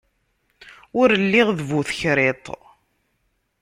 Ur lliɣ d bu tekriṭ.